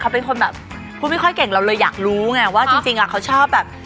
เขาเป็นคนแบบพูดไม่ค่อยเก่งเราเลยอยากรู้ไงว่าจริงเขาชอบแบบ